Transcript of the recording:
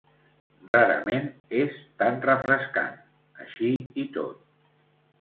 Rarament és tan refrescant, així i tot.